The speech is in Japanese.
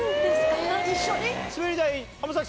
一緒に？